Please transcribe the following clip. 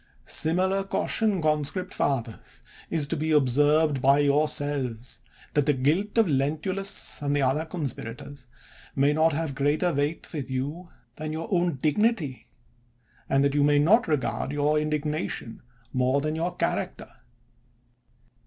Similar caution, conscript fathers, is to be observed by yourselves, that the guilt of Lentu lus, and the other conspirators, may not have greater weight with you than your own dignity, and that you may not regard your indignation more than your character.